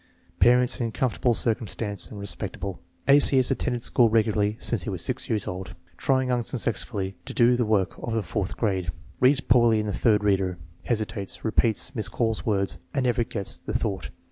Parents in comfortable circumstances and respectable. A. C. has attended school regularly since he was 6 years old. Trying unsuccessfully to do the work of the fourth grade. Reads poorly in the third reader. Hesitates, repeats, miscalls words, and never gets the thought.